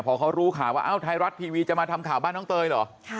พอเขารู้ข่าวว่าเอ้าไทยรัฐทีวีจะมาทำข่าวบ้านน้องเตยเหรอ